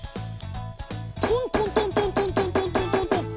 トントントントントントントントン。